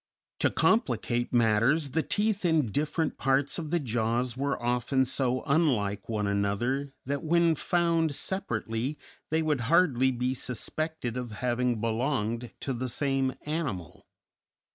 To complicate matters, the teeth in different parts of the jaws were often so unlike one another that when found separately they would hardly be suspected of having belonged to the same animal.